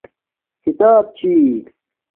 کھیتاپ چھی